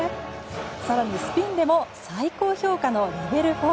更にスピンでも最高評価のレベル４。